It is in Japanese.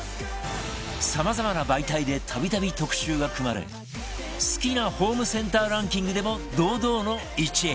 さまざまな媒体で度々特集が組まれ好きなホームセンターランキングでも堂々の１位